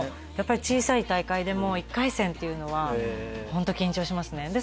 やっぱり小さい大会でも１回戦というのはホント緊張しますね。